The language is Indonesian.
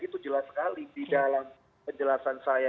itu jelas sekali di dalam penjelasan saya